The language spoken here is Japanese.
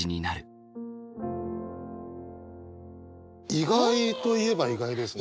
意外と言えば意外ですね。